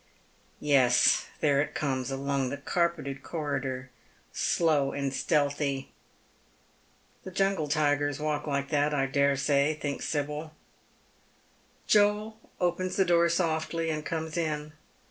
Yes, there it comes along the carpeted corridor, slow and stealthy. " The jungle tigers walk hke that, I dare say," thinks Sibyl. Joel opens the door softly and comes in.